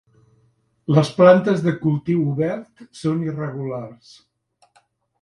Les plantes de cultiu obert són irregulars